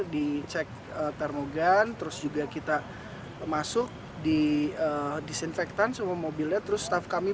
dicek termogan terus juga kita masuk di disinfektan semua mobilnya terus staff kami